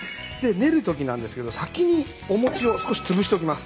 練るときなんですけど先におもちを少しつぶしておきます。